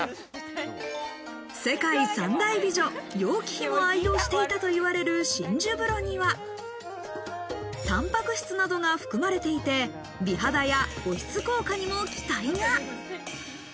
世界三大美女、楊貴妃も愛用していたと言われる真珠風呂には、タンパク質などが含まれていて、美肌や保湿効果にも期待が。